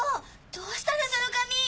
どうしたのその髪！